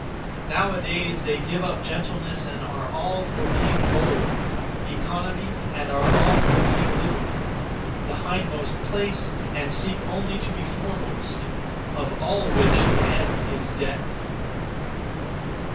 Now a days they give up gentleness and are all for being bold; economy, and are all for being liberal; the hindmost place, and seek only to be foremost; (of all which the end is) death.